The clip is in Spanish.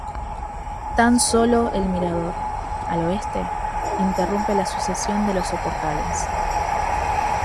Tan sólo el Mirador, al Oeste, interrumpe la sucesión de los soportales.